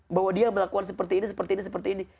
bahwa dia melakukan seperti ini seperti ini seperti ini